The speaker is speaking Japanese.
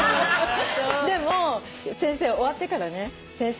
でも終わってからね先生。